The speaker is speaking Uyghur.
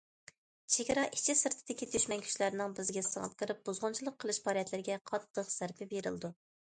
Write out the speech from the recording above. چېگرا ئىچى- سىرتىدىكى دۈشمەن كۈچلەرنىڭ بىزگە سىڭىپ كىرىپ بۇزغۇنچىلىق قىلىش پائالىيەتلىرىگە قاتتىق زەربە بېرىلىدۇ.